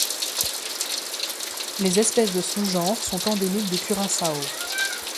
Les espèces de ce genre sont endémiques de Curaçao.